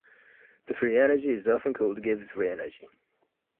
The free energy is often called Gibbs free energy.